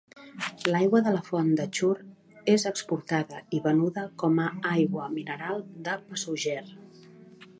L'aigua de la font de Chur és exportada i venuda com a aigua mineral de Passugger.